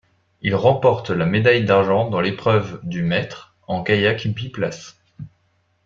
Il remporte la médaille d'argent dans l'épreuve du mètres en kayak biplace.